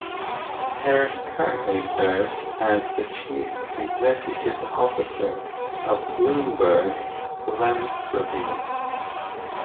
Harris currently serves as the chief executive officer of Bloomberg Philanthropies.